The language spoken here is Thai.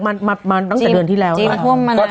มามาตั้งแต่เดือนที่แล้วมันท่วมมาเลย